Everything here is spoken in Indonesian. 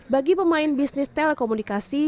bagi pemain bisnis telekomunikasi